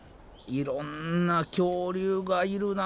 いろんな恐竜がいるな。